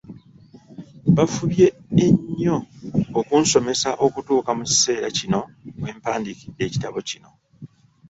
Bafubye ennyo okunsomesa okutuuka mu kiseera kino we mpandiikidde ekitabo kino.